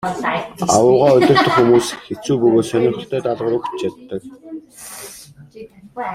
Аугаа удирдах хүмүүс хэцүү бөгөөд сонирхолтой даалгавар өгч чаддаг.